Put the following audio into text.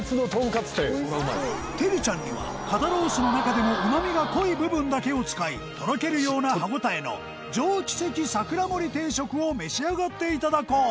テリちゃんには肩ロースの中でもうまみが濃い部分だけを使いとろけるような歯応えの上キセキさくら盛り定食を召し上がっていただこう